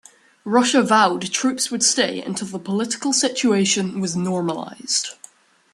Russia vowed troops would stay until the political situation was "normalised".